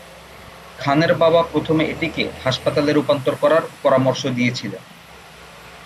খানের বাবা প্রথমে এটিকে হাসপাতালে রূপান্তর করার পরামর্শ দিয়েছিলেন।